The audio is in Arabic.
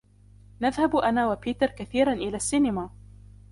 نذهب أنا وبيتر كثيرًا إلى السينما.